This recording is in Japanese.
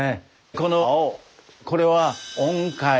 この青これは音階。